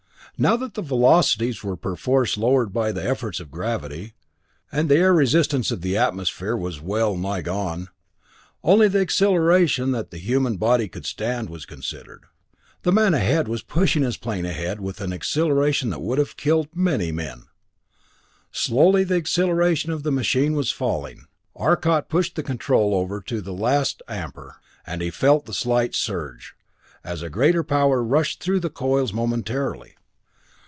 Now that the velocities were perforce lowered by the effects of gravity, and the air resistance of the atmosphere was well nigh gone, only the acceleration that the human body could stand was considered. The man ahead was pushing his plane ahead with an acceleration that would have killed many men! Slowly the acceleration of the machine was falling. Arcot pushed the control over to the last ampere, and felt the slight surge, as greater power rushed through the coils momentarily.